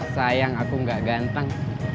sayang aku gak ganteng